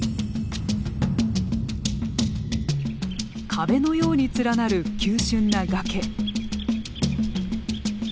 壁のように連なる急しゅんな崖。